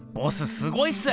すごいっす！